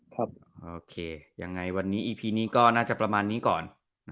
อะไรอันนี้ก็น่าจะประมาณนี้ก่อน